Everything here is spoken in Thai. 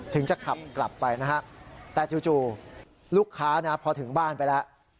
ถึงจะขับกลับไปนะฮะแต่จู่ลูกค้าพอถึงบ้านไปแล้ว